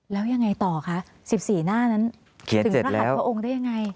แล้วยังไงต่อคะ๑๔หน้านั้นถึงพระหัสพระองค์ได้ยังไง